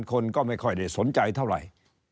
คนก็ไม่ค่อยได้สนใจเท่าไหร่